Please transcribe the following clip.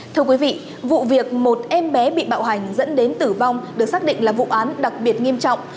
thưa quý vị vụ việc một em bé bị bạo hành dẫn đến tử vong được xác định là vụ án đặc biệt nghiêm trọng